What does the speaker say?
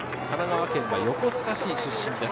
神奈川県横須賀市出身です。